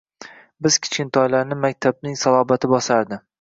Biz kichkintoylarni maktabning salobati bosardi.